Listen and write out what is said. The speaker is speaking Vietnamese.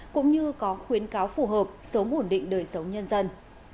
cũng như có khuyến cáo phù hợp sống ổn định đời sống nhân dân